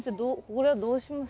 これはどうしましょう？